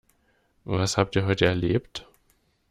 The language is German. Was habt ihr heute erlebt?